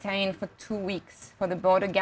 yang ditahan selama dua minggu